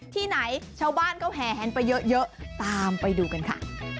ที่ไหนชาวบ้านเขาแห่แหนไปเยอะตามไปดูกันค่ะ